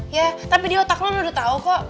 ya tapi di otak lo udah tau kok